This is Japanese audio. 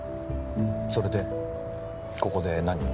それでここで何を？